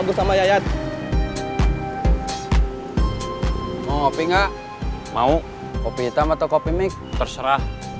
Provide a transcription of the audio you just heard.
gimana kalau kita berdua berdua